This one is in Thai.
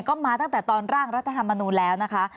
ก็มาตั้งแต่ตอนร่างรัฐธรรมนูลแล้วนะคะ